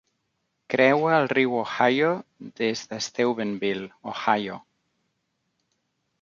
Creua el riu Ohio des de Steubenville, Ohio.